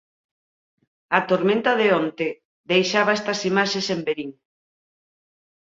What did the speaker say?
A tormenta de onte deixaba estas imaxes en Verín.